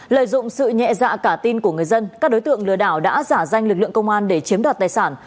lợi dụng sự nhẹ dạ cả tin của người dân các đối tượng lừa đảo đã giả danh lực lượng công an để chiếm đoạt tài sản